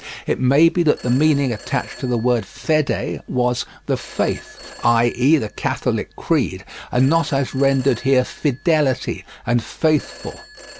It may be that the meaning attached to the word "fede" was "the faith," i.e. the Catholic creed, and not as rendered here "fidelity" and "faithful."